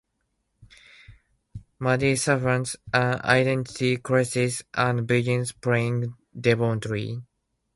Maddie suffers an identity crisis and begins praying devoutly.